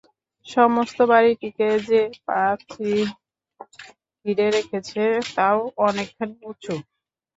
সমস্ত বাড়িটিকে যে-পাঁচিল ঘিরে রেখেছে, তাও অনেকখানি উঁচু।